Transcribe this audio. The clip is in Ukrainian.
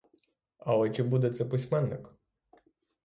Але чи буде це письменник?